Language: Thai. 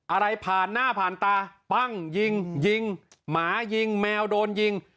อะไรผ่านหน้าผ่านตาปั้งยิงยิงหมายิงแมวโดนยิง